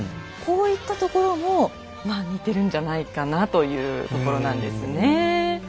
こういったところもまあ似てるんじゃないかなというところなんですね。